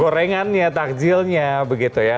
gorengannya takjilnya begitu ya